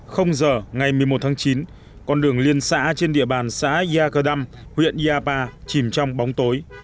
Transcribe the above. không giờ ngày một mươi một tháng chín con đường liên xã trên địa bàn xã yacadam huyện yapa chìm trong bóng tối